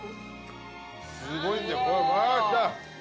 すごいんだよ。